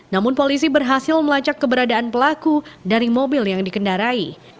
namun polisi berhasil melacak keberadaan pelaku dari mobil yang dikendarai